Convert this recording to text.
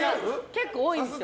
結構多いんですよ。